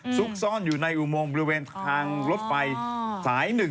ซุกซ่อนอยู่ในอุโมงบริเวณทางรถไฟสาย๑